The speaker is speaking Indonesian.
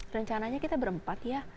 rencananya kita berempat ya